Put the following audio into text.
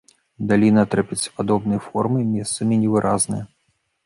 Даліна трапецападобнай формы, месцамі невыразная.